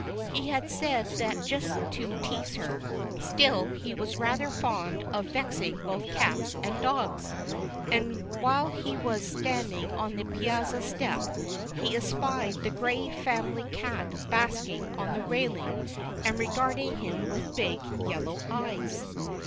He had said that just to tease her ; still he was rather fond of vexing both cats and dogs, and while he was standing on the piazza step he espied the gray family cat basking on the railing and regarding him with big yellow eyes.